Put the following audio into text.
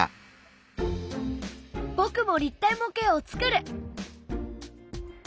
僕も立体模型を作る！